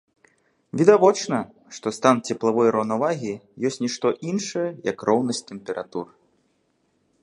Відавочна, што стан цеплавой раўнавагі ёсць нішто іншае, як роўнасць тэмператур.